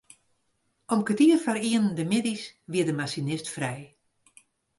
Om kertier foar ienen de middeis wie de masinist frij.